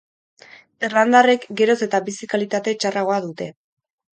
Irlandarrek geroz eta bizi-kalitate txarragoa dute.